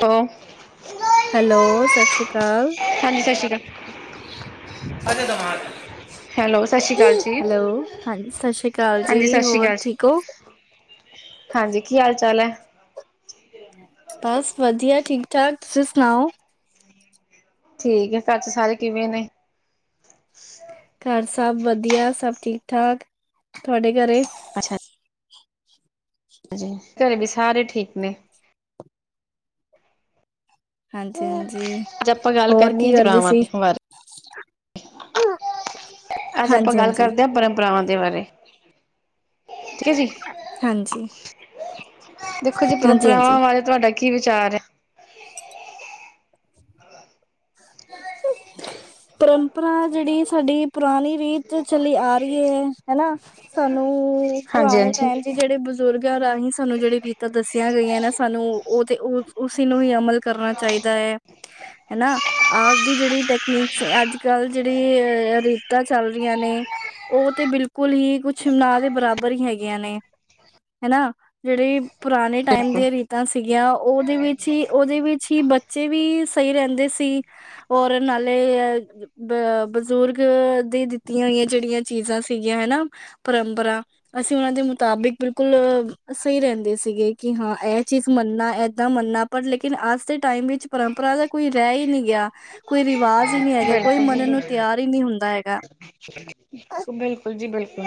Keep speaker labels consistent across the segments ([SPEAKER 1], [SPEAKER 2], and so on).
[SPEAKER 1] ਤਾਂ
[SPEAKER 2] ਹੈਲੋ, ਸਸ ਰੀ ਕਾਲ।
[SPEAKER 1] ਹਜੇ ਦਵਾਂਗੇ। ਹੈਲੋ, ਸਸ਼ ਰੀ ਕਾਲ ਜੀ,
[SPEAKER 2] ਹੈਲੋ। ਹਾਂਜੀ ਸਤਿ ਸ਼੍ਰੀ ਅਕਾਲ ਜੀ
[SPEAKER 1] ਹਾਂਜੀ ਸਸ਼ ਰੀ
[SPEAKER 2] ਹੋਰ
[SPEAKER 1] ਕਾਲ ਜੀ।
[SPEAKER 2] ਠੀਕ ਹੋ
[SPEAKER 1] ਹਾਂਜੀ, ਕੀ ਹਾਲ-ਚਾਲ ਐ?
[SPEAKER 2] ਬਸ ਵਧੀਆ, ਠੀਕ- ਠਾਕ, ਤੁਸੀਂ ਸੁਣਾਓ।
[SPEAKER 1] ਠੀਕ ਐ, ਘਰ ਚ ਸਾਰੇ ਕਿਵੇਂ ਨੇ?
[SPEAKER 2] ਘਰ ਸਭ ਵਧੀਆ, ਸਭ ਠੀਕ- ਠਾਕ, ਤੁਹਾਡੇ ਘਰੇਂ
[SPEAKER 1] ਅੱਛਾ ਹਾਂਜੀ, ਘਰੇ ਵੀ ਸਾਰੇ ਠੀਕ ਨੇ।
[SPEAKER 2] ਹਾਂਜੀ- ਹਾਂਜੀ।
[SPEAKER 1] ਅੱਜ ਆਪਾਂ ਗੱਲ
[SPEAKER 2] ਹੋਰ
[SPEAKER 1] ਕਰਨੀ
[SPEAKER 2] ਕੀ
[SPEAKER 1] ਆ,
[SPEAKER 2] ਕਰਦੇ
[SPEAKER 1] ਜੜਾਵਾਂ
[SPEAKER 2] ਸੀ
[SPEAKER 1] ਦੇ ਬਾਰੇ। ਅੱਜ ਆਪਾਂ
[SPEAKER 2] ਹਾਂਜੀ
[SPEAKER 1] ਗੱਲ
[SPEAKER 2] ਹਾਂਜੀ
[SPEAKER 1] ਕਰਦੇ ਆਂ, ਪਰੰਪਰਾਵਾਂ ਦੇ ਬਾਰੇ। ਠੀਕ ਐ ਜੀ,
[SPEAKER 2] ਹਾਂਜੀ
[SPEAKER 1] ਦੇਖੋ ਜੀ
[SPEAKER 2] ਹਾਂਜੀ
[SPEAKER 1] ਪਰੰਪਰਾਵਾਂ
[SPEAKER 2] ਹਾਂਜੀ।
[SPEAKER 1] ਬਾਰੇ ਤੁਹਾਡਾ ਕੀ ਵਿਚਾਰ ਐ?
[SPEAKER 2] [inaudible] ਪ੍ਰੰਪਰਾ ਜਿਹੜੀ ਸਾਡੀ ਪੁਰਾਣੀ ਰੀਤ ਜੋ ਚਲੀ ਆ ਰਹੀ ਏ ਹਨਾ, ਸਾਨੂੰ
[SPEAKER 1] ਹਾਂਜੀ
[SPEAKER 2] ਪੁਰਾਣੇ
[SPEAKER 1] ਹਾਂਜੀ
[SPEAKER 2] ਟੈਮ ਜਿਹੜੇ ਬਜ਼ੁਰਗਾਂ ਰਾਂਹੀ ਸਾਨੂੰ ਜਿਹੜੀਆਂ ਰੀਤਾਂ ਦੱਸੀਆ ਗਈਆਂ ਨਾ ਸਾਨੂੰ, ਉਹ ਤੇ ਉਸੇ ਨੂੰ ਹੀ ਅਮਲ ਕਰਨਾ ਚਾਹੀਦਾ ਹੈਨਾ, ਅੱਜ ਦੀ ਜਿਹੜੀ ਟੈਕਨੀਕ ਸੇ ਅੱਜ-ਕੱਲ੍ਹ ਜਿਹੜੇ ਅ ਰੀਤਾਂ ਚੱਲ ਰਹੀਆਂ ਨੇ। ਉਹ ਤੇ ਬਿਲਕੁਲ ਹੀ ਕੁਛ ਨਾਂ ਦੇ ਬਰਾਬਰ ਹੀ ਹੈਗੀਆਂ ਨੇ। ਹੈਨਾ, ਜਿਹੜੀ ਪੁਰਾਣੇ ਟੈਮ
[SPEAKER 1] ਬਿਲਕੁਲ
[SPEAKER 2] ਦੀਆਂ ਰੀ ਰੀਤਾਂ ਸੀ ਗੀਆਂ, ਉਹਦੇ ਵਿੱਚ ਹੀ- ਉਹਦੇ ਵਿੱਚ ਹੀ ਬੱਚੇ ਵੀ ਸਹੀ ਰਹਿੰਦੇ ਸੀ। ਔਰ ਨਾਲੇ ਅ ਬਜ਼ੁਰਗ ਦੀ ਦਿੱਤੀਆਂ ਹੋਈਆਂ ਜਿਹੜੀਆਂ ਚੀਜ਼ਾਂ ਸੀਗੀਆਂ ਹਨਾ, ਪਰੰਪਰਾਂ। ਅਸੀਂ ਉਹਨਾਂ ਦੇ ਮੁਤਾਬਿਕ ਬਿਲਕੁਲ ਸਹੀ ਰਹਿੰਦੇ ਸੀਗੇ, ਕਿ ਹਾਂ ਇਹ ਚੀਜ਼ ਮੰਨਣਾ, ਐਦਾਂ ਮੰਨਣਾ। ਪਰ ਲੇਕਿਨ ਅੱਜ ਦੇ ਟੈਮ ਵਿਚ ਪਰੰਪਰਾ ਦਾ ਕੋਈ ਰਹਿ ਹੀ ਨੀ ਗਿਆ, ਕੋਈ ਰਿਵਾਜ਼ ਹੀ ਨਹੀ ਹੈਗਾ, ਕੋਈ
[SPEAKER 1] ਬਿਲਕੁਲ ਜੀ
[SPEAKER 2] ਮੰਨਣ ਨੂੰ
[SPEAKER 1] ਬਿਲਕੁਲ
[SPEAKER 2] ਤਿਆਰ ਹੀ ਨਹੀ ਹੁੰਦਾ ਹੈਗਾ।
[SPEAKER 1] ਬਿਲਕੁਲ ਜੀ ਬਿਲਕੁਲ,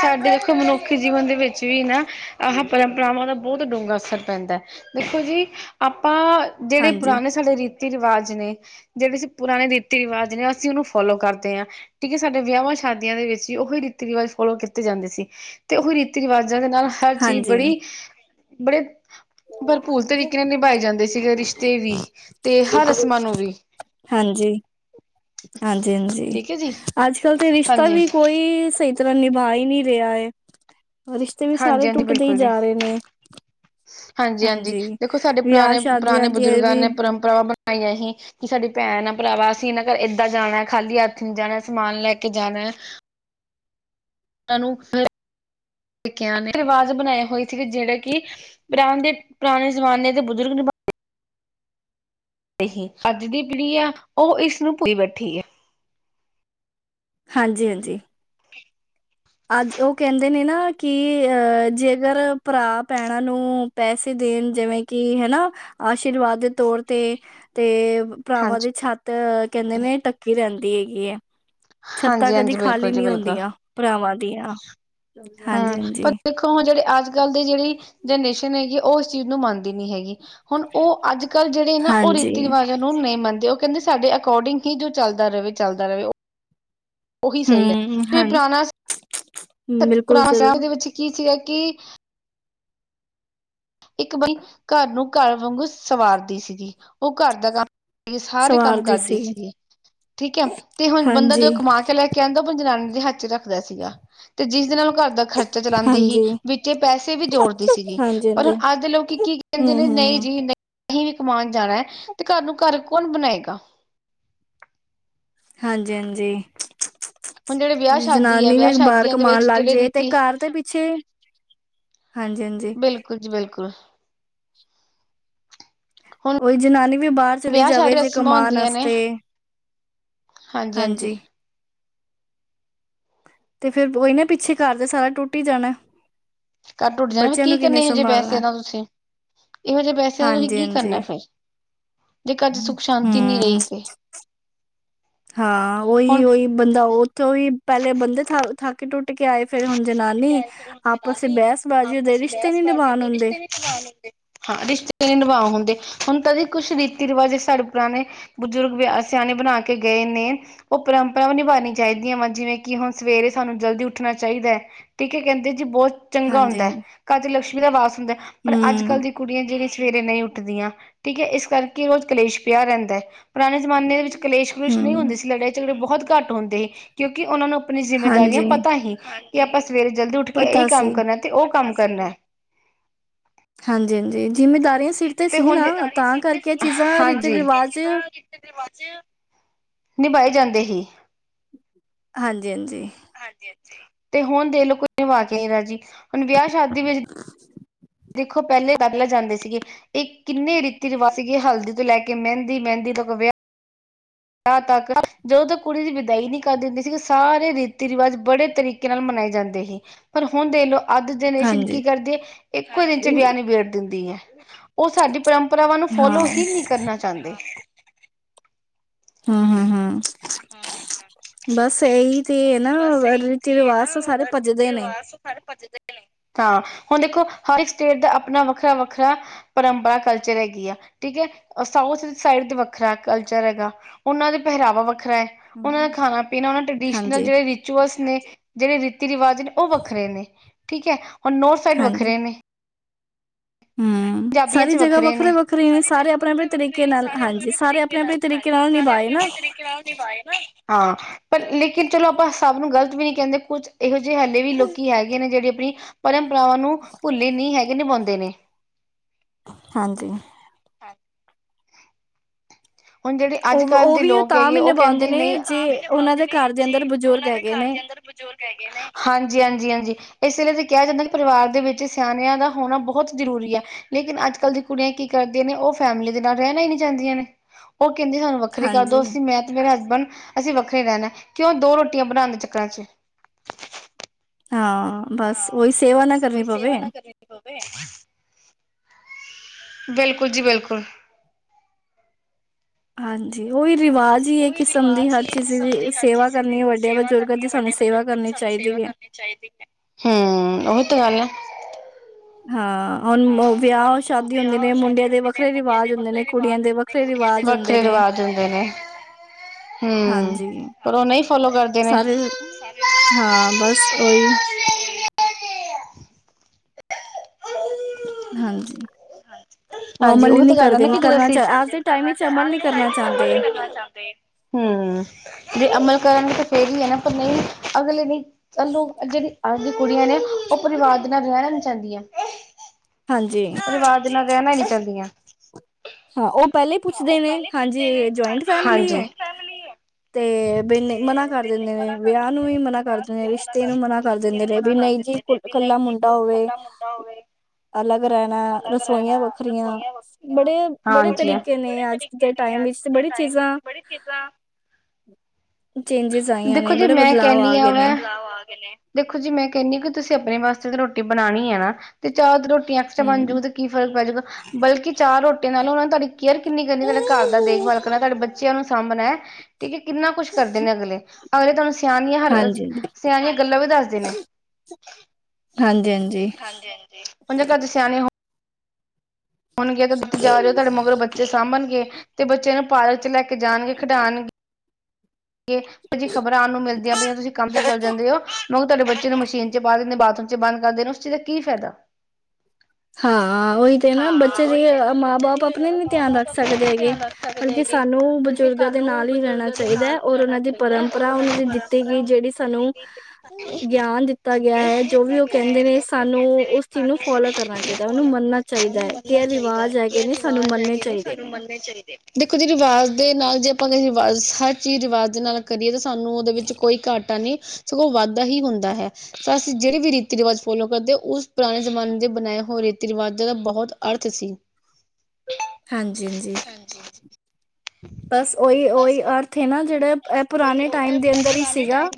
[SPEAKER 1] ਸਾਡੇ ਦੇਖੋ ਮਨੁੱਖੀ ਜੀਵਨ ਦੇ ਵਿਚ ਵੀ ਨਾ ਆਹ ਪਰੰਪਰਾਵਾਂ ਦਾ ਬਹੁਤ ਡੂੰਘਾ ਅਸਰ ਪੈਂਦਾ, ਦੇਖੋ ਜੀ ਆਪਾਂ ਜਿਹੜੇ
[SPEAKER 2] ਹਾਂਜੀ
[SPEAKER 1] ਪੁਰਾਣੇ ਸਾਡੇ ਰੀਤ ਰੀਤੀ ਰਿਵਾਜ ਨੇ, ਜਿਹੜੇ ਅਸੀਂ ਪੁਰਾਣੇ ਰੀਤੀ ਰਿਵਾਜ ਨੇ, ਅਸੀ ਉਹਨੂੰ ਫੋਲੋ ਕਰਦੇ ਹਾਂ। ਠੀਕ ਏ, ਸਾਡੇ ਵਿਆਹਾਂ ਸ਼ਾਦੀਆਂ ਦੇ ਵਿਚ ਵੀ ਉਹੀ ਰੀਤੀ ਰਿਵਾਜ ਫੋਲੋ ਕੀਤੇ ਜਾਂਦੇ ਸੀ, ਤੇ ਉਹੀ ਰੀਤੀ ਰਿਵਾਜਾਂ ਦੇ ਨਾਲ ਹਰ ਚੀਜ਼
[SPEAKER 2] ਹਾਂਜੀ
[SPEAKER 1] ਬੜੀ, ਬੜੇ ਭਰਪੂਰ ਤਰੀਕੇ ਨਾਲ ਨਿਭਾਏ ਜਾਂਦੇ ਸੀਗੇ ਰਿਸ਼ਤੇ ਵੀ ਤੇ ਹਰ ਰਸਮਾਂ ਨੂੰ ਵੀ-
[SPEAKER 2] ਹਾਂਜੀ ਹਾਂਜੀ-ਹਾਂਜੀ ਅੱਜ
[SPEAKER 1] ਠੀਕ ਹੈ ਜੀ
[SPEAKER 2] ਕੱਲ- ਅੱਜ ਗੱਲ ਤੇ ਰਿਸ਼ਤਾ
[SPEAKER 1] ਹਾਂਜੀ
[SPEAKER 2] ਵੀ ਕੋਈ ਸਹੀ ਤਰ੍ਹਾਂ ਨਿਭਾ ਹੀ ਨੀ ਰਿਹਾ ਏ ਰਿਸ਼ਤੇ ਵੀ ਸਾਰੇ
[SPEAKER 1] ਹਾਂਜੀ ਹਾਂਜੀ
[SPEAKER 2] ਟੁੱਟਦੇ ਹੀ
[SPEAKER 1] ਬਿਲਕੁਲ ਜੀ
[SPEAKER 2] ਜਾ ਰਹੇ ਨੇ
[SPEAKER 1] ਹਾਂਜੀ-ਹਾਂਜੀ
[SPEAKER 2] ਹਾਂਜੀ।
[SPEAKER 1] ਦੇਖੋ ਸਾਡੇ
[SPEAKER 2] ਵਿਆਹ ਸ਼ਾਦੀਆਂ
[SPEAKER 1] ਪੁਰਾਨੇ-ਪੁਰਾਨੇ
[SPEAKER 2] ਤੇ
[SPEAKER 1] ਬਜ਼ੁਰਗਾਂ
[SPEAKER 2] ਵੀ
[SPEAKER 1] ਨੇ ਪਰੰਪਰਾਵਾਂ ਬਣਾਈਆਂ ਹੀ ਕਿ ਸਾਡੀ ਭੈਣ ਆ ਭਰਾ ਵਾ, ਅਸੀ ਇਹਨਾਂ ਘਰ ਏਦਾਂ ਜਾਣੇ ਖਾਲੀ ਹੱਥ ਨੀ ਜਾਣਾ ਸਮਾਨ ਲੈ ਕੇ ਜਾਨੇ ਨੂੰਆ ਰਿਵਾਜ਼ ਬਣਾਏ ਹੋਏ ਸੀਗੇ ਜਿਹੜੇ ਕਿ [unintelligible] ਦੇ ਪੁਰਾਨੇ ਜ਼ਮਾਨੇ ਦੇ ਬਜ਼ੁਰਗ ਅੱਜ ਦੀ ਪੀੜੀ ਆ, ਉਹ ਇਸਨੂੰ ਭੂਲੀ ਬੈਠੀ ਏ।
[SPEAKER 2] ਹਾਂਜੀ-ਹਾਂਜੀ ਅੱਜ ਉਹ ਕਹਿਦੇ ਨੇ ਨਾ ਕਿ, ਅਹ ਜੇਗਰ ਭਰਾ ਭੈਣਾਂ ਨੂੰ ਪੈਸੇ ਦੇਨ ਜੇਵੇ ਕਿ ਹੇਨਾ, ਆਸ਼ੀਰਵਾਦ ਦੇ ਤੌਰ ਤੇ ਤੇ- ਭਰਾਵਾਂ
[SPEAKER 1] ਹਾਂਜੀ,
[SPEAKER 2] ਦੀ ਛੱਤ ਕਹਿਦੇ ਨੇ ਟੱਕੀ ਰਹਿਦੀ ਹੈਗੀ ਐ। ਛੱਤਾਂ ਕਦੀ
[SPEAKER 1] ਹਾਂਜੀ-ਹਾਂਜੀ
[SPEAKER 2] ਖਾਲੀ
[SPEAKER 1] ਬਿਲਕੁਲ ਜੀ
[SPEAKER 2] ਨੀ
[SPEAKER 1] ਬਿਲਕੁਲ।
[SPEAKER 2] ਹੁੰਦੀਆਂ ਭਰਾਵਾਂ ਦੀਆਂ, ਹਾਂਜੀ- ਹਾਂਜੀ
[SPEAKER 1] ਉੱਤੋਂ ਆ ਜਿਹੜੇ ਅਜ ਕਲ ਦੀ ਜਿਹੜੀ ਜਨਰੇਸ਼ਨ ਹੈਗੀ, ਉਹ ਇਸ ਚੀਜ ਨੂੰ ਮੰਨਦੀ ਨੀ ਹੈਗੀ। ਹੁਣ ਉਹ ਅਜ ਕਲ ਜਿਹੜੇ ਨਾ ਉਹ
[SPEAKER 2] ਹਾਂਜੀ,
[SPEAKER 1] ਰੀਤੀ ਰਿਵਾਜ ਨੂੰ ਨਹੀ ਮੰਨਦੇ ਉਹ ਕਹਿਦੇ ਸਾਡੇ ਅਕੋਰਡਿੰਗ ਹੀ ਜੋ ਚੱਲਦਾ ਰਵੇ ਚੱਲਦਾ ਰਵੇ ਉਹੀ ਸਹੀ ਹੈ।
[SPEAKER 2] ਹੂੰ,
[SPEAKER 1] ਤੇ
[SPEAKER 2] ਹਾਂਜੀ
[SPEAKER 1] ਪੁਰਾਣਾ
[SPEAKER 2] ਬਿਲਕੁਲ
[SPEAKER 1] ਪੁਰਾ
[SPEAKER 2] ਜ਼ਰੂਰ।
[SPEAKER 1] ਦੇ ਵਿਚ ਕੀ ਸੀਗਾ ਕਿ ਇਕ ਬਈ ਘਰ ਨੂੰ ਘਰ ਵਾਂਗੂ ਸਵਾਰਦੀ ਸੀਗੀ ਉਹ ਘਰ ਦਾ ਕਮ- ਸਾਰੇ ਕਮ
[SPEAKER 2] ਸਵਾਰਦੀ ਸੀ
[SPEAKER 1] ਕਰਦੀ ਸੀਗੀ, ਠੀਕ ਹੈ। ਤੇ ਹੁਣ ਬੰਦਾ ਜਦੋ
[SPEAKER 2] ਹਾਂਜੀ
[SPEAKER 1] ਕਮਾਨ ਚਲਾ ਜੇ ਕਹਿੰਦਾ ਆਪ ਜਨਾਨੀ ਦੇ ਹੱਥ ਚ ਰੱਖਦਾ ਸੀਗਾ ਤੇ ਜਿਸਦੇ ਨਾਲ ਘਰ ਦਾ ਖਰਚਾ ਚਲਾਂਦੀ ਹੀ,
[SPEAKER 2] ਹਾਂਜੀ
[SPEAKER 1] ਵਿੱਚ ਪੈਸੇ ਵੀ ਜੋੜਦੀ ਸੀਗੀ
[SPEAKER 2] ਹਾਂਜੀ
[SPEAKER 1] ਪਰ
[SPEAKER 2] ਹਾਂਜੀ
[SPEAKER 1] ਅੱਜ ਲੋਕੀ ਕੀ
[SPEAKER 2] ਹੂੰ
[SPEAKER 1] ਕਹਿੰਦੇ ਨੇ ਨਹੀਂ
[SPEAKER 2] ਹੂੰ
[SPEAKER 1] ਜੀ ਨਹ ਅਸੀਂ ਵੀ ਕਮਾਣ ਜਾਣਾ ਐ ਤੇ ਘਰ ਨੂੰ ਘਰ ਕੌਣ ਬਣਾਏਗਾ
[SPEAKER 2] ਹਾਂਜੀ ਹਾਂਜੀ
[SPEAKER 1] ਹੁਣ ਜਿਹੜੇ ਵਿਆਹ ਸ਼ਾਦੀ ਹੈ
[SPEAKER 2] ਜਨਾਨੀ
[SPEAKER 1] ਵਿਆਹ
[SPEAKER 2] ਵੀ ਬਾਹਰ
[SPEAKER 1] ਸ਼ਾਦੀਆਂ ਦੇ
[SPEAKER 2] ਕਮਾਨ
[SPEAKER 1] ਵਿੱਚ
[SPEAKER 2] ਲੱਗ
[SPEAKER 1] ਜਿਹੜੇ
[SPEAKER 2] ਜੇ ਤੇ
[SPEAKER 1] ਰੀਤੀ
[SPEAKER 2] ਘਰ ਤੇ ਪਿੱਛੇ ਹਾਂਜੀ ਹਾਂਜੀ
[SPEAKER 1] ਬਿਲਕੁਲ ਜੀ ਬਿਲਕੁਲ ਹੁਣ
[SPEAKER 2] ਉਹੀ ਜਨਾਨੀ ਵੀ ਬਾਹਰ ਚਲੀ
[SPEAKER 1] ਵਿਆਹ
[SPEAKER 2] ਜਾਵੇ
[SPEAKER 1] ਸ਼ਾਦੀ
[SPEAKER 2] ਜੇ
[SPEAKER 1] ਰਸਮਾਂ
[SPEAKER 2] ਕਮਾਣ
[SPEAKER 1] ਹੁੰਦੀਆਂ ਨੇ
[SPEAKER 2] ਆਸਤੇ
[SPEAKER 1] ਹਾਂਜੀ ਹਾਂਜੀ
[SPEAKER 2] ਤੇ ਫੇਰ ਉਹਈ ਨਾ ਪਿੱਛੇ ਘਰ ਤੇ ਸਾਰਾ ਟੁੱਟ ਹੀ ਜਾਣੇ
[SPEAKER 1] ਘੱਰ ਟੂਟ ਜਾਣੇ ਫੇਰ ਕੀ ਕਰਨਾ ਇਹੋ ਜਿਹੇ
[SPEAKER 2] ਸੰਭਾਲਣਾ
[SPEAKER 1] ਪੈਸਿਆਂ ਦਾ ਤੁਸੀ, ਇਹੋ ਜਿਹੇ ਪੈਸਿਆਂ ਦਾ ਤੁਸੀ
[SPEAKER 2] ਹਾਂਜੀ
[SPEAKER 1] ਕੀ
[SPEAKER 2] ਹਾਂਜੀ
[SPEAKER 1] ਕਰਨਾ ਫੇਰ ਜੇ ਘਰ ਚ ਸੁਖ ਸ਼ਾਂਤੀ ਨਹੀਂ
[SPEAKER 2] ਹੂੰ
[SPEAKER 1] ਰਹੀ ਤੇ-
[SPEAKER 2] ਹਾਂ
[SPEAKER 1] ਹੁਣ
[SPEAKER 2] ਉਹੀ-ਉਹੀ ਬੰਦਾ ਉਥੋਂ ਹੀ ਪਹਿਲੇ ਬੰਦੇ ਥ ਥਾਕੇ ਟੁੱਟ ਕੇ ਆਏ ਫੇਰ ਹੁਨ ਜਨਾਨੀ ਆਪਸ ਚ ਬਹਿਸਬਾਜ਼ੀ ਉਹਦੇ ਰਿਸ਼ਤੇ ਨੀ ਨਿਬਾਨ ਹੁੰਦੇ
[SPEAKER 1] [unintelligible] ਹਾਂ ਰਿਸ਼ਤੇਦਾਰੀ ਨਿਭਾ ਹੁੰਦੇ, ਹੁਨ ਤਦੇ ਕੁਛ ਰੀਤੀ ਰਿਵਾਜ ਸਾਡੇ ਪੁਰਾਨੇ ਬਜ਼ੁਰਗ ਵੀ ਸਿਆਨੇ ਬਨਾ ਕੇ ਗਏ ਨੇ ਉਹ ਪਰੰਪਰਾਵਾ ਨਿਭਾਨੀ ਚਾਹੀਦੀਆਂ ਵਾ ਜਿਵੇ ਕਿ ਹੁਨ ਸਵੇਰੇ ਸਾਨੂੰ ਜਲਦੀ ਉਠ ਉੱਠਨਾ ਚਾਹੀਦੇ ਏ, ਠੀਕ ਹੈ। ਕਹਿਦੇ ਜੀ ਬਹੁਤ ਚੰਗਾ
[SPEAKER 2] ਹਾਂਜੀ
[SPEAKER 1] ਹੁੰਦਾ
[SPEAKER 2] ਹਾਂਜੀ
[SPEAKER 1] ਹੈ, ਘਾਰ ਚ ਲਕਸ਼ਮੀ ਦਾ ਵਾਸ ਹੁੰਦੇ ਪਰ ਅਜ
[SPEAKER 2] ਹੂੰ
[SPEAKER 1] ਕਲ ਦੀ ਕੁੜੀਆਂ ਜਿਹੜੀਆਂ ਸਵੇਰੇ ਨੀ ਉਠਦੀਆਂ, ਠੀਕ ਹੈ ਇਸ ਕਰਕੇ ਰੋਜ਼ ਕਲੇਸ਼ ਪਿਆ ਰਹਿੰਦੇ ਪੁਰਾਣੇ ਜ਼ਮਾਨੇ ਵਿਚ ਕਲੇਸ਼ ਕਲੂਸ਼ ਨਹੀ
[SPEAKER 2] ਹੂੰ,
[SPEAKER 1] ਹੁੰਦੇ ਸੀ ਲੜਾਈ ਝਗੜੇ ਬਹੁਤ ਘੱਟ ਹੁੰਦੇ ਹੀ, ਕਿਉਕਿ ਉਹਨਾਂ ਨੂੰ ਅਪਨੀ ਜਿੰਮੇਦਾਰੀਆਂ
[SPEAKER 2] ਹਾਂਜੀ,
[SPEAKER 1] ਪਤਾ ਹੀ ਕਿ ਆਪਾਂ ਸਵੇਰੇ ਜਲਦੀ ਉਠ ਕੇ ਏਹੀ
[SPEAKER 2] ਪਤਾ ਸੀ।
[SPEAKER 1] ਕੰਮ ਕਰਨੇ, ਤੇ ਉਹ ਕੰਮ ਕਰਨੇ
[SPEAKER 2] ਹਾਂਜੀ-ਹਾਂਜੀ ਜਿਮੀਂਦਾਰੀਆਂ ਸਿਰ ਤੇ ਸੀ
[SPEAKER 1] ਹੁਣ
[SPEAKER 2] ਨਾ
[SPEAKER 1] ਜੇ
[SPEAKER 2] ਤਾਂ ਕਰਕੇ ਇਹ ਚੀਜ਼ਾਂ ਰੀਤੀ ਰਿਵਾਜ਼
[SPEAKER 1] ਰੀਤੀ ਰਿਵਾਜ ਨਿਭਾਏ ਜਾਂਦੇ ਹੀ
[SPEAKER 2] ਹਾਂਜੀ ਹਾਂਜੀ
[SPEAKER 1] ਤੇ ਹੁਨ ਦੇਖ ਲੋ ਕੋਈ ਨਿਵਾ ਕੇ ਨੀ ਰਾਜੀ, ਹੁਣ ਵਿਆਹ ਸ਼ਾਦੀ ਵਿੱਚ ਦੇਖੋ ਪਹਿਲੇ ਪਹਿਲਾਂ ਜਾਂਦੇ ਸੀਗੇ ਇਹ ਕਿੰਨੇ ਰੀਤੀ ਰਿਵਾਜ਼ ਸੀਗੇ ਹਲਦੀ ਤੋਂ ਲੈ ਕੇ ਮੇਹਿੰਦੀ, ਮੇਹਿੰਦੀ ਤੱਕ ਵਿਆਹ ਵਿਆਹ ਤੱਕ, ਜਦੋਂ ਤੱਕ ਕੁੜੀ ਦੀ ਵਿਦਾਈ ਨਹੀਂ ਕਰ ਦਿੰਦੀ ਸੀ, ਸਾਰੇ ਰੀਤੀ ਰਿਵਾਜ਼ ਬੜੇ ਤਰੀਕੇ ਤਰੀਕੇ ਨਾਲ ਮਨਾਏ ਜਾਂਦੇ ਸੀ, ਪਰ ਹੁਣ ਦੇਖ ਲਓ ਅੱਜ ਜਨਰੇਸ਼ਨ ਕੀ
[SPEAKER 2] ਹਾਂਜੀ।
[SPEAKER 1] ਕਰਦੀ ਏ, ਇੱਕੋ ਦਿਨ ਚ
[SPEAKER 2] ਹਾਂਜੀ।
[SPEAKER 1] ਵਿਆਹ ਨੀ ਬੇੜ ਦਿੰਦੀ ਹੈ ਉਹ ਸਾਡੀ ਪਰੰਪਰਾਵਾਂ ਨੂੰ,
[SPEAKER 2] ਹਾਂ,
[SPEAKER 1] ਫੋਲੋ ਹੀ ਨਹੀਂ ਕਰਨਾ ਚਾਹੁੰਦੇ
[SPEAKER 2] ਹੂ ਹੂ ਹੂ, ਬੱਸ ਏ ਹੀ
[SPEAKER 1] ਬਸ ਇਹੀ ਤੇ ਹੈ ਨਾ, ਰੀਤਿ
[SPEAKER 2] ਭੱਜਦੇ ਨੇ।
[SPEAKER 1] ਰਿਵਾਜ਼ ਸਾਰੇ ਭੱਜਦੇ ਹਾਂ, ਹੁਣ ਦੇਖੋ ਹਰ ਇੱਕ ਸਟੇਟ ਦਾ ਆਪਣਾ ਵੱਖਰਾ ਵੱਖਰਾ ਪਰੰਪਰਾ ਕਲਚਰ ਹੈਗੀ ਆ, ਠੀਕ ਹੈ ਸਾਊਥ ਸਾਈਡ ਤੇ ਵੱਖਰਾ ਕਲਚਰ ਹੈਗਾ ਉਹਨਾਂ ਦਾ ਪਹਿਰਾਵਾ ਵੱਖਰਾ ਹੈ, ਉਹਨਾਂ ਦਾ
[SPEAKER 2] ਹੂੰ,
[SPEAKER 1] ਖਾਣਾ ਪੀਣਾ ਉਹ ਟਡੀ
[SPEAKER 2] ਹਾਂਜੀ,
[SPEAKER 1] ਰਿਚੁਅਲਸ ਨੇ, ਜਿਹੜੇ ਰੀਤੀ ਰਿਵਾਜ ਨੇ ਉਹ ਵੱਖਰੇ ਨੇ ਠੀਕ ਹੈ ਹੁਣ ਔ ਸਾਈਡ
[SPEAKER 2] ਹਾਂਜੀ।
[SPEAKER 1] ਵੱਖਰੇ ਨੇ
[SPEAKER 2] ਹੂੰ,
[SPEAKER 1] ਪੰਜਾਬੀਆਂ
[SPEAKER 2] ਸਾਰੀ
[SPEAKER 1] ਚ
[SPEAKER 2] ਜਗ੍ਹਾ
[SPEAKER 1] ਵੱਖਰੇ ਨੇ,
[SPEAKER 2] ਵੱਖਰੇ-ਵੱਖਰੇ ਨੇ
[SPEAKER 1] ਸਾਰੀ
[SPEAKER 2] ਸਾਰੇ
[SPEAKER 1] ਜਗ੍ਹਾ ਵੱਖਰੇ
[SPEAKER 2] ਆਪਣੇ-ਆਪਣੇ
[SPEAKER 1] ਵੱਖਰੇ
[SPEAKER 2] ਤਰੀਕੇ
[SPEAKER 1] ਨੇ
[SPEAKER 2] ਨਾਲ
[SPEAKER 1] ਸਾਰੇ ਆਪਣੇ
[SPEAKER 2] ਹਾਂਜੀ
[SPEAKER 1] ਆਪਣੇ
[SPEAKER 2] ਸਾਰੇ
[SPEAKER 1] ਤਰੀਕੇ ਨਾਲ
[SPEAKER 2] ਆਪਣੇ-ਆਪਣੇ ਤਰੀਕੇ
[SPEAKER 1] ਹਾਂਜੀ
[SPEAKER 2] ਨਾਲ
[SPEAKER 1] ਸਾਰੇ
[SPEAKER 2] ਨਿਭਾਏ
[SPEAKER 1] ਆਪਣੇ
[SPEAKER 2] ਨਾ
[SPEAKER 1] ਵੀ ਤਰੀਕੇ ਨਾਲ ਨਿਭਾਏ ਨਾ ਹਾਂ ਪਰ ਲੇਕਿਨ ਚਲੋ ਆਪਾਂ ਸਭ ਨੂੰ ਗ਼ਲਤ ਵੀ ਨਹੀਂ ਕਹਿੰਦੇ, ਕੁਝ ਇਹੋ ਜਿਹੇ ਹਲੇ ਵੀ ਲੋਕੀ ਹੈਗੇ ਨੇ, ਜਿਹੜੇ ਆਪਣੀ ਪਰੰਪਰਾਵਾਂ ਨੂੰ ਭੁੱਲੇ ਨਹੀਂ ਹੈਗੇ, ਨਿਭਾਉਂਦੇ ਨੇ
[SPEAKER 2] ਹਾਂਜੀ
[SPEAKER 1] ਹਾਂਜੀ ਹੁਣ ਜਿਹੜੇ ਅੱਜ
[SPEAKER 2] ਉਹ,
[SPEAKER 1] ਕੱਲ
[SPEAKER 2] ਉਹ
[SPEAKER 1] ਦੇ
[SPEAKER 2] ਵੀ
[SPEAKER 1] ਲੋਕ
[SPEAKER 2] ਤਾਂ
[SPEAKER 1] ਹੈਗੇ
[SPEAKER 2] ਵੀ
[SPEAKER 1] ਉਹ ਕਹਿੰਦੇ
[SPEAKER 2] ਨਿਭਾਉਂਦੇ ਨੇ
[SPEAKER 1] ਨਹੀਂ,
[SPEAKER 2] ਜੇ
[SPEAKER 1] ਵੀ
[SPEAKER 2] ਉਹਨਾਂ
[SPEAKER 1] ਲਿਉਂਦੇ
[SPEAKER 2] ਦੇ
[SPEAKER 1] ਨੇ
[SPEAKER 2] ਘਰ ਦੇ
[SPEAKER 1] ਜੇ
[SPEAKER 2] ਅੰਦਰ ਬਜ਼ੁਰਗ
[SPEAKER 1] ਉਹਨਾਂ ਦੇ
[SPEAKER 2] ਹੈਗੇ
[SPEAKER 1] ਘਰ
[SPEAKER 2] ਨੇ।
[SPEAKER 1] ਦੇ ਅੰਦਰ ਬਜ਼ੁਰਗ ਹੈਗੇ ਨੇ, ਹਾਂਜੀ ਹਾਂਜੀ ਹਾਂਜੀ ਇਸ ਲਈ ਤੇ ਕਿਹਾ ਜਾਂਦਾ ਕਿ ਪਰਿਵਾਰ ਦੇ ਵਿੱਚ ਸਿਆਣਿਆਂ ਦਾ ਹੋਣਾ ਬਹੁਤ ਜ਼ਰੂਰੀ ਹੈ ਲੇਕਿਨ ਅੱਜ ਕੱਲ੍ਹ ਦੀ ਕੁੜੀਆਂ ਕੀ ਕਰਦੀਆਂ ਨੇ, ਉਹ ਫੈਮਿਲੀ ਦੇ ਨਾਲ ਰਹਿਣਾ ਹੀ ਨਹੀਂ ਚਾਹਦੀਆਂ ਨੇ ਉਹ ਕਹਿੰਦੀ ਸਾਨੂੰ ਵੱਖਰੀ ਕਰ ਦੋ,
[SPEAKER 2] ਹਾਂਜੀ।
[SPEAKER 1] ਅਸੀਂ ਮੈਂ ਤੇ ਮੇਰਾ ਹਸਬੈਂਡ ਅਸੀਂ ਵੱਖਰੇ ਰਹਿਣਾ, ਕਿਉਂ ਦੋ ਰੋਟੀਆਂ ਬਣਾਉਣ ਦੇ ਚੱਕਰਾਂ ਚ
[SPEAKER 2] ਹਾਂ ਬਸ ਉਹੀ, ਸੇਵਾ ਨਾ ਕਰਨੀ ਪਵੇ
[SPEAKER 1] ਬਿਲਕੁਲ ਜੀ ਬਿਲਕੁਲ।
[SPEAKER 2] ਹਾਂਜੀ ਉਹੀ ਰਿਵਾਜ਼ ਹੀ ਹੈ ਕਿਸਮ ਦੀ, ਹਰ ਚੀਜ਼ ਦੀ, ਸੇਵਾ ਕਰਨੀ ਹੈ ਵੱਡੇ ਬਜ਼ੁਰਗਾਂ ਦੀ ਸਾਨੂੰ ਸੇਵਾ ਕਰਨੀ ਚਾਹੀਦੀ ਹੈ।
[SPEAKER 1] ਚਾਹੀਦੀ ਹੈ, ਉਹੀ ਤੇ ਗੱਲ ਆ।
[SPEAKER 2] ਹਾਂ, ਹੁਣ ਵਿਆਹ ਸ਼ਾਦੀ ਹੁੰਦੀ ਨੇ, ਮੁੰਡਿਆਂ ਦੇ ਵੱਖਰੇ ਰਿਵਾਜ਼ ਹੁੰਦੇ ਨੇ, ਕੁੜੀਆਂ ਦੇ ਵਰੇ
[SPEAKER 1] ਹੁੰਦੇ ਵੱਖਰੇ ਰਿਵਾਜ਼ ਹੁੰਦੇ ਨੇ। ਹੂ,
[SPEAKER 2] ਹਾਂਜੀ
[SPEAKER 1] ਪਰ ਉਹ ਨਹੀਂ ਫੋਲੋ ਕਰਦੇ ਨੇ।
[SPEAKER 2] ਸਾਰੇ ਹਾਂ ਬਸ ਉਓਹੀ। ਹਾਂਜੀ ਉਹ
[SPEAKER 1] ਹਾਂਜੀ
[SPEAKER 2] ਅਮਲ ਹੀ
[SPEAKER 1] ਉਹੀ ਤੇ
[SPEAKER 2] ਨਹੀਂ
[SPEAKER 1] ਗੱਲ ਆ ਨਾ
[SPEAKER 2] ਕਰਦੇ ਕਰਨਾ ਚਾਹ ਅੱਜ ਦੇ ਟਾਈਮ ਵਿੱਚ ਅਮਲ ਨਹੀਂ ਕਰਨਾ ਚਾਹੁੰਦੇ
[SPEAKER 1] ਹੂ, ਜ ਅਮਲ ਕਰਨਗੇ, ਤਾਂ ਫੇਰ ਹੀ ਹੈ ਨਾ, ਪਰ ਨਹੀਂ ਅਗਲੇ ਨੇ ਚ ਜਿਹੜੀ ਆ ਦੀ ਕੁੜੀਆਂ ਨੇ, ਉਹ ਪਰਿਵਾਰ ਦੇ ਨਾਲ ਰਹਿਣਾ ਨੂੰ ਚਾਹਦੀਆਂ
[SPEAKER 2] ਹਾਂਜੀ
[SPEAKER 1] ਪਰਿਵਾਰ ਦੇ ਨਾਲ ਰਹਿਣਾ ਹੀ ਨੀ ਚਾਨਦੀਆਂ
[SPEAKER 2] ਹਾਂ ਉਹ ਪਹਿਲੇ ਪੁੱਛਦੇ ਨੇ, ਹਾਂਜੀ ਜਆਇੰਟ ਫੈਮਲੀ ਹੈ ਤੇ ਬਿਨ ਮਨਾ ਕਰ ਦਿੰਦੇ ਨੇ, ਵਿਆਹ ਨੂੰ ਵੀ ਮਨਾ ਕਰ ਦਿੰਦੇ ਨੇ ਰਿਸ਼ਤੇ ਨੂੰ ਮਨਾ ਕਰ ਦਿੰਦੇ ਨੇ, ਬ ਨਹੀਂ ਜੀ
[SPEAKER 1] ਕਦੇ ਵੀ ਨਹੀਂ
[SPEAKER 2] ਇਕੱਲਾ
[SPEAKER 1] ਜ
[SPEAKER 2] ਮੁੰਡਾ
[SPEAKER 1] ਕੁ
[SPEAKER 2] ਹੋਵੇ
[SPEAKER 1] ਇਕੱਲਾ ਮੁੰਡਾ ਹੋਵੇ
[SPEAKER 2] ਅਲੱਗ ਰਹਿਣਾ ਰਸੋਈਆਂ ਵੱਖਰੀਆਂ, ਬੜੇ ਬੜੇ ਤਰੀਕੇ ਨੇ ਅੱਜ ਦੇ ਟਾਈਮ
[SPEAKER 1] ਨੇ ਅੱਜ
[SPEAKER 2] ਵਿੱਚ ਤੇ
[SPEAKER 1] ਦੇ
[SPEAKER 2] ਬੜੀ
[SPEAKER 1] ਟਾਈਮ ਵਿੱਚ
[SPEAKER 2] ਚੀਜ਼ਾਂ
[SPEAKER 1] ਬੜੀ ਚੀਜ਼ਾਂ
[SPEAKER 2] ਚੇਂਜਿਸ ਆਈਆਂ
[SPEAKER 1] ਦੇਖੋ
[SPEAKER 2] ਨੇ
[SPEAKER 1] ਜੀ
[SPEAKER 2] ਬੜੇ
[SPEAKER 1] ਮੈਂ
[SPEAKER 2] ਬਦਲਾਵ
[SPEAKER 1] ਕਹਿੰਣੀਦੀ ਆ
[SPEAKER 2] ਗਏ ਨੇ
[SPEAKER 1] ਵੈਂ ਦੇਖੋ ਜੀ ਮੈਂ ਕਹਿੰਦੀ ਕਿ ਤੁਸੀਂ ਆਪਣੇ ਵਾਸਤੇ ਤਾਂ ਰੋਟੀ ਬਣਾਉਣੀ ਹੈ ਨਾ, ਤੇ ਚਾਹ ਰੋਟੀ ਐਕਸਟਰਾ ਬਣ
[SPEAKER 2] ਹਮ
[SPEAKER 1] ਜਾੂ ਕੀ ਫਰਕ ਪੈਜਊਗਾ, ਬਲਕਿ ਚਾਰ ਰੋਟੀਆਂ ਨਾਲ ਉਹਨਾਂ ਨੇ ਤੁਹਾਡੀ ਕੇਅਰ ਕਿੰਨੀ ਕਰਨੀ ਤੁਹਾਡੇ ਘਰ ਦਾ ਦੇਖਭਾਲ ਕਰਨਾ, ਤੁਹਾਡੇ ਬੱਚਿਆਂ ਨੂੰ ਸਾਂਭਣਾ ਹੈ, ਠੀਕ ਹੈ ਕਿੰਨਾ ਕੁਛ ਕਰਦੇ ਨੇ ਅਗਲੇ ਅਗਲੇ ਤੁਹਾਨੂੰ ਸਿਆਣੀਆਂ ਹਰ
[SPEAKER 2] ਹਾਂਜੀ
[SPEAKER 1] ਸਿਆਣੀਆਂ ਗੱਲਾਂ ਵੀ ਦੱਸਦੇ ਨੇ।
[SPEAKER 2] ਹਾਂਜੀ -ਹਾਂਜੀ।
[SPEAKER 1] ਹਾਂਜੀ -ਹਾਂਜੀ, ਹੁਣ ਜੇਕੱਜ ਸਿਆਣੇ ਹੋ ਹੁਣ, ਕਿਧਰ ਤੁਸੀ ਜਾ ਰਹੇ ਹੋ, ਤੁਹਾਡੇ ਮਗਰੋਂ ਬੱਚੇ ਸਾਂਭਣਗੇ, ਤੇ ਬੱਚੇ ਨੂੰ ਪਾਰਕ'ਚ ਲੈਕੇ ਜਾਣਗੇ, ਖਿਡਾਣਗੇ ਜੀ ਖ਼ਬਰਾਂ ਆਣ ਨੂੰ ਮਿਲਦੀਆਂ ਪਈਆ, ਤੁਸੀਂ ਕੰਮ ਤੇ ਚਲ ਜਾਂਦੇ ਹੋ, ਤੁਹਾਡੇ ਬੱਚੇ ਨੂੰ ਮਸ਼ੀਨ'ਚ ਪਾ ਦਿੰਦੇ ਬਾਥਰੂਮ ਬੰਦ ਕਰਦੇ ਨੇ, ਉਸ ਚੀਜ਼ ਦਾ ਕੀ ਫਾਇਦਾ।
[SPEAKER 2] ਹਾਂ, ਉਹੀ ਤੇ ਨਾ ਬੱਚੇ ਦੇ ਮਾਂ-ਬਾਪ ਆਪਣੇ ਨੀ ਧਿਆਨ ਰੱਖ ਸਕਦੇ ਹੈਗੇ। ਬਲਕਿ ਸਾਨੂੰ, ਬਜ਼ੁਰਗਾਂ ਦੇ ਨਾਲ ਹੀ ਰਹਿਣਾ ਚਾਹੀਦਾ। ਔਰ ਉਹਨਾਂ ਦੀ ਪਰੰਪਰਾ, ਉਹਨਾਂ ਦੀ ਦਿੱਤੀ ਗਈ ਜਿਹੜੀ ਸਾਨੂੰ ਗਿਆਨ ਦਿੱ ਦਿੱਤਾ ਗਿਆ ਹੈ, ਜੋ ਵੀ ਉਹ ਕਹਿੰਦੇ ਨੇ ਸਾਨੂੰ ਉਸ ਚੀਜ਼ ਨੂੰ ਫੌਲੋ ਕਰਨਾ ਚਾਹੀਦਾ, ਉਹਨੂੰ ਮੰਨਣਾ ਚਾਹੀਦਾ ਹੈ, ਕੀ ਐ ਰਿਵਾਜ਼ ਹੈਗੇ ਨੇ, ਸਾਨੂੰ ਮੰਨਣੇ ਚਾਹੀਦੇ ਨੇ।
[SPEAKER 1] ਕਰਨੇ ਚਾਹੀਦੇ। ਦੇਖੋ ਜੀ ਰਿਵਾਜ਼ ਦੇ ਨਾਲ, ਜੇ ਆਪਾਂ ਰਿਵਾਜ਼, ਹਰ ਚੀਜ਼ ਰਿਵਾਜ਼ ਨਾਲ ਕਰੀਏ, ਤਾਂ ਸਾਨੂੰ ਉਹਦੇ ਵਿੱਚ ਕੋਈ ਘਾਟਾ ਨਹੀਂ, ਸਗੋਂ ਵਾਧਾ ਹੀ ਹੁੰਦਾ ਹੈ। ਅਸੀ ਜਿਹੜੇ ਵੀ ਰੀਤੀ-ਰਿਵਾਜ ਫੋਲੋ ਕਰਦੇ, ਉਸ ਪੁਰਾਣੇ ਜਮਾਨੇ ਦੇ ਬਣਾਏ ਹੋਏ ਰੀਤੀ-ਰਵਾਜ਼ਾਂ ਦਾ ਬਹੁਤ ਅਰਥ ਸੀ।
[SPEAKER 2] ਹਾਂਜੀ-ਹਾਂਜੀ। ਬਸ, ਓਹੀ-ਓਹੀ ਅਰਥ ਏ ਨਾ ਜਿਹੜਾ ਇਹ ਪੁਰਾਣੇ ਟਾਈਮ ਦੇ ਅੰਦਰ ਹੀ ਸੀਗਾ।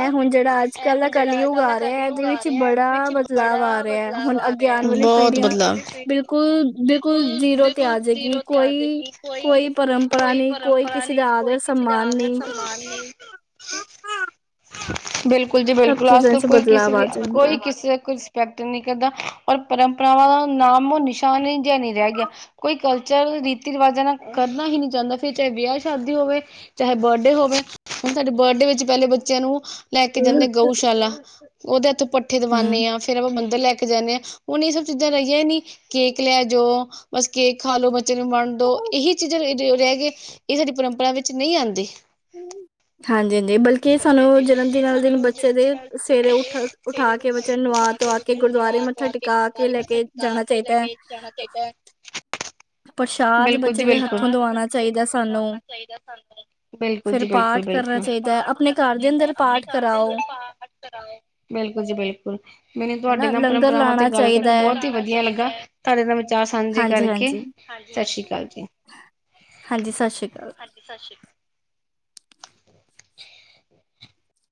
[SPEAKER 2] ਐ ਹੁਣ ਜਿਹੜਾ ਅੱਜ-ਕੱਲ ਦਾ ਕਲਯੁਗ ਆ ਰਿਹਾ, ਇਹਦੇ ਵਿੱਚ ਬੜਾ ਬਦਲਾਵ ਆ ਰਿਹਾ, ਹੁਣ ਅਗੇ ਆਣ ਵਾਲੀ ਪੀੜੀ ਬਿਲਕੁਲ, ਬਿਲਕੁਲ ਜੀਰੋ
[SPEAKER 1] ਬਿਲਕੁਲ, ਜੀਰੋ ਤੇ ਆਜੇਗੀ, ਕੋਈ
[SPEAKER 2] ਪਰੰਪਰਾ ਨਹੀਂ, ਕੋਈ ਕਿਸੇ ਦਾ ਆਦਰ-ਸੱਮਾਨ ਨਹੀਂ।
[SPEAKER 1] ਸੱਮਾਨ ਨਹੀਂ ਬਿਲਕੁਲ ਜੀ,
[SPEAKER 2] ਸਭ
[SPEAKER 1] ਬਿਲਕੁਲ,
[SPEAKER 2] ਚੀਜ਼ਾਂ
[SPEAKER 1] ਅਜਕਲ
[SPEAKER 2] ਚ
[SPEAKER 1] ਕੋਈ ਕਿਸੇ
[SPEAKER 2] ਬਦਲਾਵ
[SPEAKER 1] ਦੀ,
[SPEAKER 2] ਆ ਜਾਣਗੇ
[SPEAKER 1] ਕੋਈ ਕਿਸੇ ਕੁ ਵਿਅਕਤ ਨੀ ਕਰਦਾ, ਔਰ ਪਰੰਪਰਾਵਾਂ ਦਾ ਨਾਮੋ-ਨਿਸ਼ਾਨ ਜਿਹਾ ਨੀ ਰਹਿ ਗਿਆ। ਕੋਈ ਕਲਚਰ, ਰੀਤੀ-ਰਿਵਾਜਾਂ ਨਾਲ ਕਰਨਾ ਹੀ ਨਹੀਂ ਚਾਂਹਦਾ, ਫਿਰ ਚਾਹੇ ਵਿਆਹ-ਸ਼ਾਦੀ ਹੋਵੇ, ਚਾਹੇ ਬਰ ਬਰਡੇ ਹੋਵੇ, ਹੁਣ ਸਾਡੇ ਬਰਡੇ ਵਿੱਚ ਪਹਿਲੇ ਬੱਚਿਆਂ ਨੂੰ ਲੈਕੇ ਜਾਂਦੇ, ਗਊਸ਼ਾਲਾ। ਉਹਦੇ ਹੱਥੋ ਪੱਠੇ ਦਵਾਂਨੇ
[SPEAKER 2] ਹਮ
[SPEAKER 1] ਆਂ ਫਿਰ ਆਪਾਂ ਮੰਦਿਰ ਲੈਕੇ ਜਾਂਨੇ ਆਂ, ਹੁਣ ਇਹ ਸਭ ਚੀਜ਼ਾਂ ਰਹੀਆਂ ਨੀ, ਕੇਕ ਲੈਜੋ ਬਸ ਕੇਕ ਖਾਲੋ, ਬੱਚਿਆ ਨੂੰ ਵੰਡਦੋ ਇਹੀ ਚੀਜ਼ਾਂ ਨੇ ਤੇ ਰਹਿ ਗਏ, ਇਹ ਸਾਡੀ ਪਰੰਪਰਾ ਵਿੱਚ ਨਹੀਂ ਆਂਦੇ।
[SPEAKER 2] ਹਾਂਜੀ-ਹਾਂਜੀ, ਬਲ ਕਿ, ਸਾਨੂੰ ਜਨਮਦਿਨ ਵਾਲੇ ਦਿਨ ਬੱਚੇ ਦੇ ਸਵੇਰੇ ਉੱਠ, ਉਠਾਕੇ ਬੱਚੇ ਨੂੰ ਨਵਾ-ਧਵਾਕੇ ਕੇ ਗੁਰਦੁਆਰੇ ਮੱਥਾ ਟਿਕਾਕੇ ਲੈਕੇ ਜਾਣਾ ਚਾਹੀਦਾ।
[SPEAKER 1] ਜਾਣਾ ਚਾਹੀਦਾ।
[SPEAKER 2] ਪ੍ਰਸ਼ਾਦ
[SPEAKER 1] ਬਿਲਕੁਲ ਜੀ,
[SPEAKER 2] ਬੱਚੇ ਦੇ
[SPEAKER 1] ਬਿਲਕੁਲ।
[SPEAKER 2] ਹੱਥੋਂ
[SPEAKER 1] ਪਰਸ਼ਾਦ
[SPEAKER 2] ਦਵਾਉਣਾ
[SPEAKER 1] ਬੱਚੇ ਦੇ
[SPEAKER 2] ਚਾਹੀਦਾ
[SPEAKER 1] ਮੂੰਹ ਨੂੰ ਲਵਾਉਣਾ
[SPEAKER 2] ਸਾਨੂੰ
[SPEAKER 1] ਚਾਹੀਦਾ। ਬਿਲਕੁਲ
[SPEAKER 2] ਫਿਰ
[SPEAKER 1] ਜੀ,
[SPEAKER 2] ਪਾਠ ਕਰਨਾ
[SPEAKER 1] ਬਿਲਕੁਲ-ਬਿਲਕੁਲ ਫਿਰ
[SPEAKER 2] ਚਾਹੀਦਾ ਹੈ
[SPEAKER 1] ਪਾਠ
[SPEAKER 2] ਆਪਣੇ
[SPEAKER 1] ਕਰਨਾ
[SPEAKER 2] ਘਰ ਦੇ
[SPEAKER 1] ਚਾਹੀਦਾ,
[SPEAKER 2] ਅੰਦਰ
[SPEAKER 1] ਆਪਣੇ
[SPEAKER 2] ਪਾਠ
[SPEAKER 1] ਘਰ ਦੇ
[SPEAKER 2] ਕਰਾਓ
[SPEAKER 1] ਅੰਦਰ ਪਾਠ ਕਰਾਏ ਬਿਲਕੁਲ ਜੀ, ਬਿਲਕੁਲ। ਮੈਨੂੰ ਤੁਹਾਡੇ
[SPEAKER 2] ਹਨਾ
[SPEAKER 1] ਇਹ
[SPEAKER 2] ਲੰਗਰ
[SPEAKER 1] ਪਰੰਪਰਾਵਾਂ ਤੇ
[SPEAKER 2] ਲਾਉਣਾ
[SPEAKER 1] ਗੱਲ
[SPEAKER 2] ਚਾਹੀਦਾ
[SPEAKER 1] ਕਰਕੇ
[SPEAKER 2] ਹੈ
[SPEAKER 1] ਬਹੁਤ ਹੀ ਵਧੀਆ ਲੱਗਾ। ਤੁਹਾਡੇ ਨਾਲ ਵਿਚਾਰ ਸਾਂਝੇ ਕਰਕੇ,
[SPEAKER 2] ਹਾਂਜੀ-ਹਾਂਜੀ, ਹਾਂਜੀ
[SPEAKER 1] ਸਤਿ ਸ਼੍ਰੀ ਅਕਾਲ ਜੀ।
[SPEAKER 2] ਹਾਂਜੀ ਸਤਿ ਸ਼੍ਰੀ ਅਕਾਲ।
[SPEAKER 1] ਸਸ਼ੀ